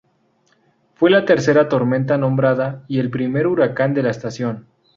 Fue la tercera tormenta nombrada y el primer huracán de la estación.